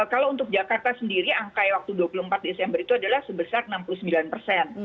kalau untuk jakarta sendiri angka waktu dua puluh empat desember itu adalah sebesar enam puluh sembilan persen